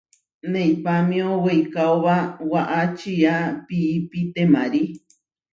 Neipámio weikaóba waʼá čiá piipi temári.